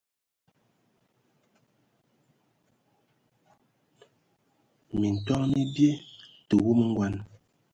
Minton mi bie, tə wumu ngɔn.